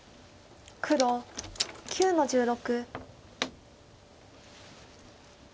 黒９の十六。